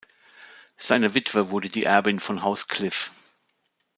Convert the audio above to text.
Seine Witwe wurde die Erbin von Haus Kliff.